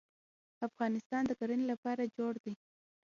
افغانستان د کرنې لپاره جوړ دی.